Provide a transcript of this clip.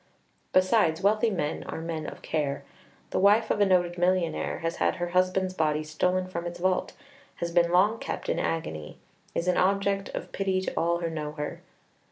Besides, wealthy men are men of care. The wife of a noted millionnaire has had her husband's body stolen from its vault, has been long kept in agony, is an object of pity to all who know her.